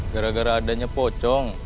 gara gara adanya pocong